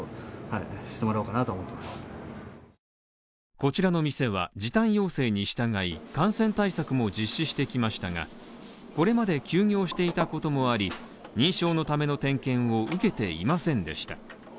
こちらの店は時短要請に従い、感染対策も実施してきましたが、これまで休業していたこともあり、認証のための点検を受けていませんでした